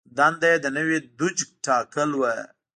دنده یې د نوي دوج ټاکل و.